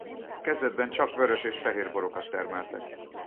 Kezdetben csak vörös és fehér borokat termeltek.